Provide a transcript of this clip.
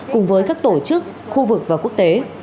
cùng với các tổ chức khu vực và quốc tế